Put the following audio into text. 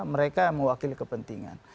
mereka mewakili kepentingan